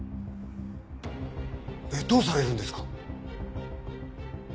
どうされるんですか？